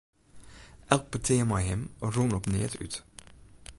Elk petear mei him rûn op neat út.